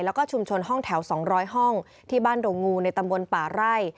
แล้วก็ชุมชนห้องแถว๒๐๐ห้องที่บ้านดงงูในตำบลป่าไร่